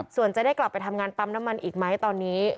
ส่วนจะได้กลับไปทำงานปั๊มน้ำมันอีกไหมตอนนี้